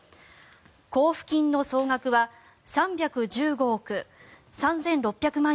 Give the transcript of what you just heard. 交付金の総額は３１５億３６００万